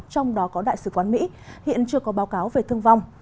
trong đó có đại sứ quán mỹ hiện chưa có báo cáo về thương vong